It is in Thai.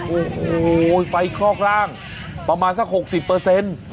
โอ้โหไฟคลอกร่างประมาณสักหกสิบเปอร์เซ็นต์